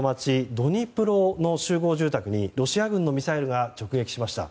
ドニプロの集合住宅にロシア軍のミサイルが直撃しました。